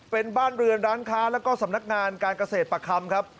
เป็นบ้านเรือนร้านค้าแล้วก็สำนักงานการเกษตรประคำครับ